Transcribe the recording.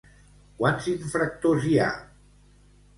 Quants infractors hi ha?